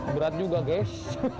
berat juga guys